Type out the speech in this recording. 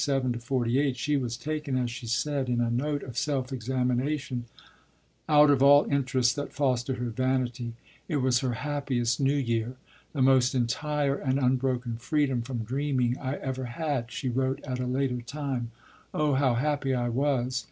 In such studies upon the Trinità de' Monti in the winter of 1847 48, she was taken, as she said in a note of self examination, out of all interests that fostered her "vanity"; it was her "happiest New Year." "The most entire and unbroken freedom from dreaming I ever had," she wrote at a later time. "Oh, how happy I was!"